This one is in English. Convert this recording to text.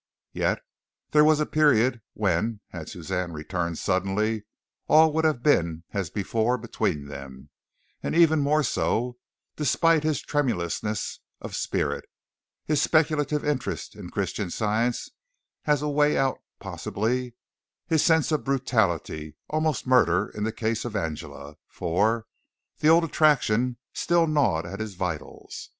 Yet there was a period when, had Suzanne returned suddenly, all would have been as before between them, and even more so, despite his tremulousness of spirit, his speculative interest in Christian Science as a way out possibly, his sense of brutality, almost murder, in the case of Angela for, the old attraction still gnawed at his vitals.